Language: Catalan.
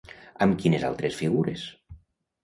Amb quines altres figures?